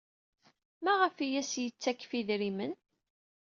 Maɣef ay as-yettakf idrimen?